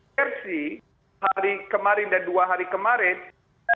versi hari kemarin dan dua hari kemarin